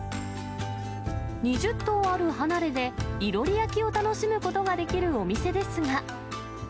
２０棟ある離れで、いろり焼きを楽しむことができるお店ですが。